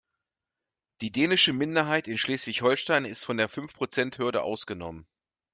Die dänische Minderheit in Schleswig-Holstein ist von der Fünfprozenthürde ausgenommen.